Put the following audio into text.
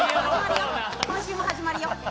今週も始まるよ。